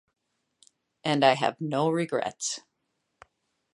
And I have no regrets.